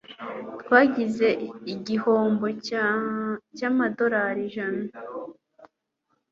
Twagize igihombo cyamadorari ijana,.